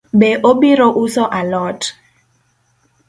Be obiro uso alot?